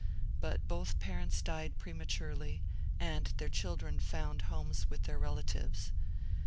But both parents died prematurely, and their children found homes with their relatives.